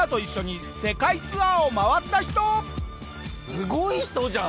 すごい人じゃん！